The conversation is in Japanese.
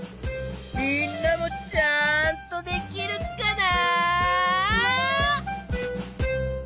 みんなもちゃんとできるかな？